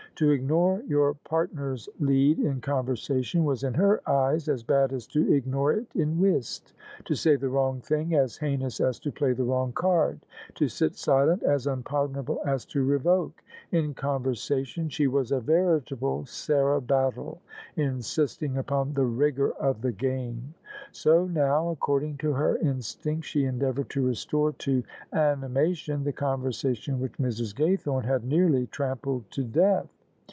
To ig nore your partner's lead in conversation was in her eyes as bad as to ignore it in whist: to say the wrong thing, as heinous as to play the wrong card : to sit silent, as unpardon able as to revoke. In conversation she was a veritable Sarah Battle, insisting upon " the rigour of the game ": so now, according to her instinct, she endeavoured to restore to ani mation the conversation which Mrs. Gaythorne had nearly trampled to death.